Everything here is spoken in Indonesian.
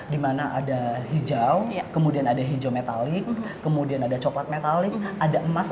di mana ada hijau kemudian ada hijau metalik kemudian ada coklat metalik ada emas